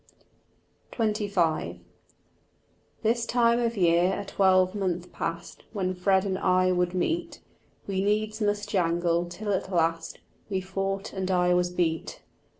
XXV This time of year a twelvemonth past, When Fred and I would meet, We needs must jangle, till at last We fought and I was beat.